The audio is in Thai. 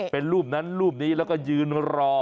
เป็นรูปนั้นรูปนี้แล้วก็ยืนรอ